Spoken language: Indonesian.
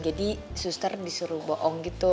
jadi suster disuruh bohong gitu